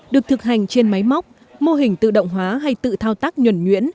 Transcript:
được thực hành trên máy móc mô hình tự động hóa hay tự thao tác nhuẩn nhuyễn